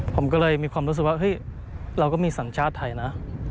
ผมก็เลยมีความรู้สึกว่าเฮ้ยเราก็มีสัญชาติไทยนะ